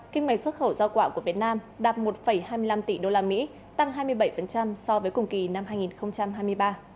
kinh mệnh xuất khẩu giao quả của việt nam đạt một hai mươi năm tỷ usd tăng hai mươi bảy so với cùng kỳ năm hai nghìn hai mươi ba